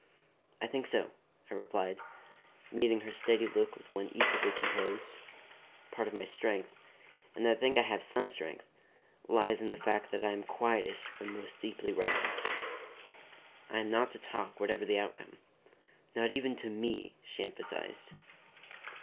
"I think so," I replied, meeting her steady look with one equally composed. Part of my strength and I think I have some strength lies in the fact that I am quietest when most deeply roused. "I am not to talk whatever the outcome." "Not even to me," she emphasized.